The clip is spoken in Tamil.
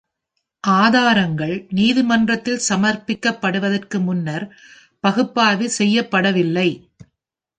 ஆதாரங்கள் நீதிமன்றத்தில் சமர்ப்பிக்கப்படுவதற்கு முன்னர் பகுப்பாய்வு செய்யப்படவில்லை.